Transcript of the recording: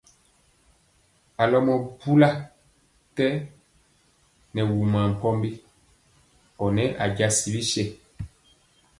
A lomɔ bula kɛn nɛ wumaa mpɔmbi ɔ nɛ a jasi ri bisɛ.